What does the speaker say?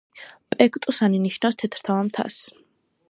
პექტუსანი ნიშნავს „თეთრთავა მთას“.